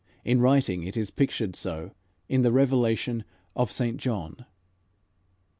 In writing it is pictured so, In the Revelation of St. John.